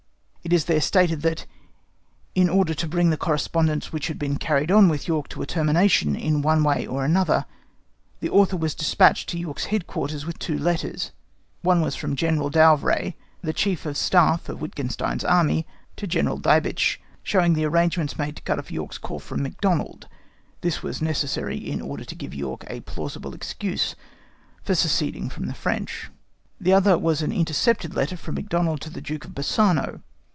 It is there stated that, in order to bring the correspondence which had been carried on with York to a termination in one way or another, the Author was despatched to York's headquarters with two letters, one was from General d'Auvray, the Chief of the Staff of Wittgenstein's army, to General Diebitsch, showing the arrangements made to cut off York's corps from Macdonald (this was necessary in order to give York a plausible excuse for seceding from the French); the other was an intercepted letter from Macdonald to the Duke of Bassano.